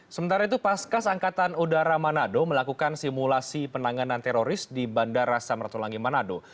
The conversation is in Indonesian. sementara itu paskas angkatan udara manado melakukan simulasi penanganan teroris di bandara samratulangi manado